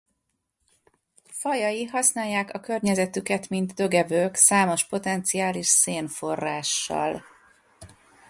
Fajai használják a környezetüket mint dögevők számos potenciális szén forrással.